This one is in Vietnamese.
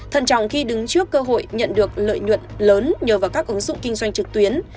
thân trọng khi đứng trước cơ hội nhận được lợi nhuận lớn nhờ vào các ứng dụng kinh doanh trực tuyến